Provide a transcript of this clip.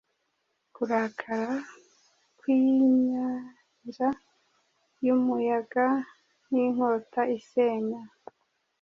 kurakara kw'inyanja y'umuyaga, n'inkota isenya,